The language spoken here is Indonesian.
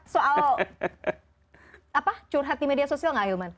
soal apa curhat di media sosial gak ahilman